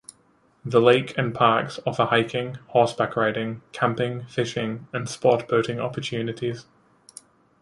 The lake and parks offer hiking, horseback riding, camping, fishing, and sport boating opportunities.